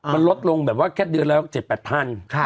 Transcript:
มันลดลงแบบว่าแค่เดือนแล้ว๗๘พัน